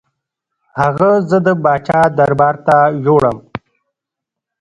هغه زه د پاچا دربار ته یووړم.